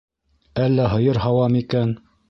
Әллә һыйыр һауа микән.